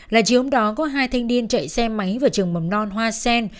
là chiều hôm đó có hai thanh niên chạy xe máy vào trường mầm non hoa sen